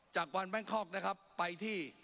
จากวันแบงคอกนะครับไปที่